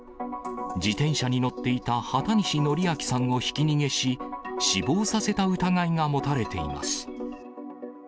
自転車に乗っていた畑西徳明さんをひき逃げし、死亡させた疑いが持たれています。